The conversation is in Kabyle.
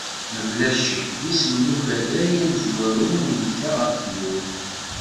Mebla ccek, d isem n ukerray amezwaru i yeǧǧa ɣef tewwurt.